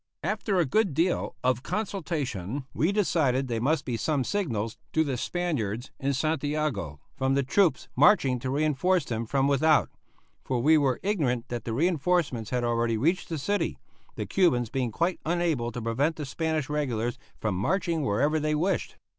After a good deal of consultation, we decided they must be some signals to the Spaniards in Santiago, from the troops marching to reinforce them from without for we were ignorant that the reinforcements had already reached the city, the Cubans being quite unable to prevent the Spanish regulars from marching wherever they wished.